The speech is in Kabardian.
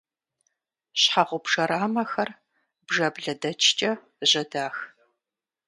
Щхьэгъубжэ рамэхэр бжаблэдэчкӏэ жьэдах.